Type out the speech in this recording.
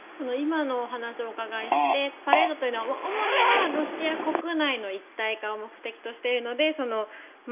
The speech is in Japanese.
今のお話をお伺いしてパレードというのは主にはロシア国内の一体化を目的としているのでＴ３４。